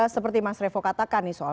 seperti mas revo katakan nih soal